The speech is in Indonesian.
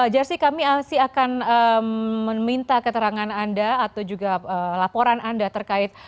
jersi kami akan meminta keterangan anda atau juga laporan anda terkait